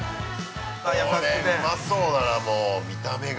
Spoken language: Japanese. ◆うまそうだな、もう、見た目が。